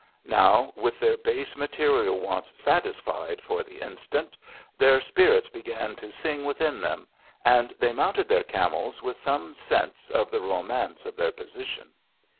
Now, with their base material wants satisfied for the instant, their spirits began to sing within them, and they mounted their camels with some sense of the romance of their position.